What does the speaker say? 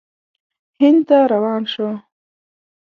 هند ته روان شو.